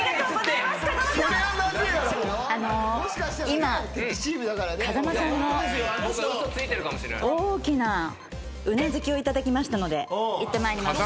今風間さんの大きなうなずきをいただきましたので行ってまいります。